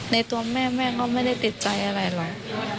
ในตัวแม่แม่ก็ไม่ได้ติดใจอะไรเลย